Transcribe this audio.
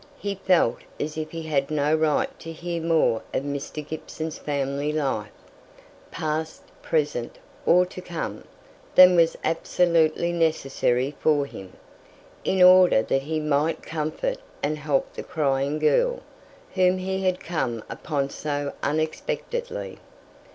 He felt as if he had no right to hear more of Mr. Gibson's family life, past, present, or to come, than was absolutely necessary for him, in order that he might comfort and help the crying girl, whom he had come upon so unexpectedly.